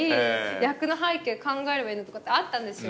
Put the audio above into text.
役の背景考えればいいのにとかってあったんですよ。